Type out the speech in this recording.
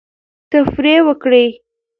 تفریح وکړئ.